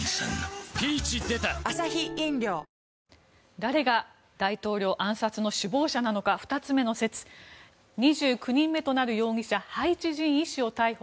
誰が大統領暗殺の首謀者なのか２つ目の説２９人目となる容疑者ハイチ人医師を逮捕。